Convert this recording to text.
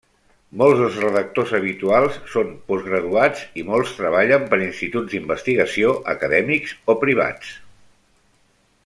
Molts dels redactors habituals són postgraduats, i molts treballen per instituts d'investigació acadèmics o privats.